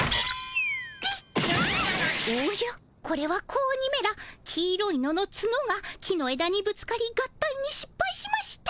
これは子鬼めら黄色いののツノが木のえだにぶつかり合体にしっぱいしました。